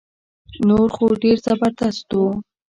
نور خو ډير زبردست وو